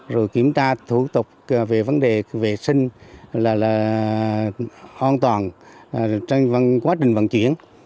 rồi kiểm tra thủ tục về vấn đề vệ sinh là an toàn trong quá trình vận chuyển